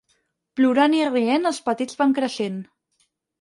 Plorant i rient els petits van creixent.